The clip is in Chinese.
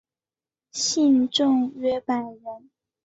信众约百人。